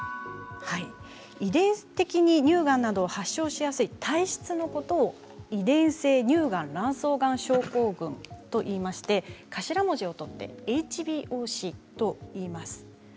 遺伝的に乳がんなどを発症しやすい体質のことを遺伝性乳がん卵巣がん症候群といいまして頭文字を取ってＨＢＯＣといいます。